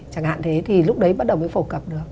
chẳng hạn thế thì lúc đấy bắt đầu mới phổ cập được